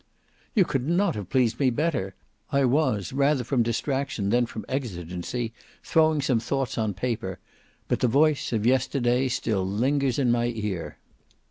"You could not have pleased me better. I was, rather from distraction than from exigency, throwing some thoughts on paper. But the voice of yesterday still lingers in my ear."